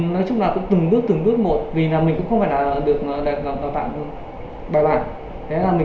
nói chung là cũng từng bước từng bước một vì là mình cũng không phải là được bài bản thế là mình